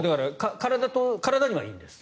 体にはいいんです。